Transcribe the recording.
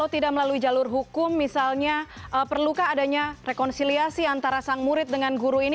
tidak melalui jalur hukum misalnya perlukah adanya rekonsiliasi antara sang murid dengan guru ini